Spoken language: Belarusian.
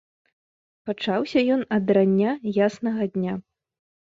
Пачаўся ён ад рання яснага дня.